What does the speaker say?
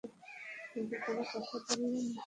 কিন্তু কোনো কথা বললেন না।